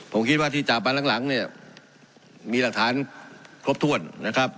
ผมคิดว่าที่จับมาหลังเนี่ยมีหลักฐานครบถ้วนนะครับ